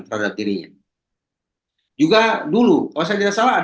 terhadap dirinya juga dulu saya salah